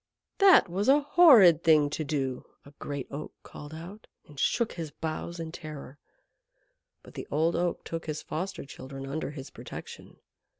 "That was a horrid thing to do," a great Oak called out, and shook his boughs in terror. But the Old Oak took his foster children under his protection.